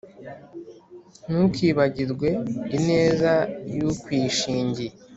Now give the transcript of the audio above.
Ntukibagirwe ineza y’ukwishingiye,